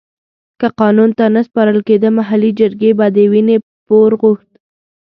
که قانون ته نه سپارل کېده محلي جرګې به د وينې پور غوښت.